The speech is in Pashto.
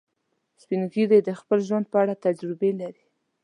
سپین ږیری د خپل ژوند په اړه تجربې لري